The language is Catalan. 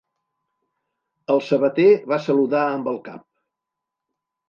El sabater va saludar amb el cap.